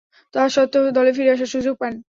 তাসত্ত্বেও, দলে ফিরে আসার সুযোগ পান।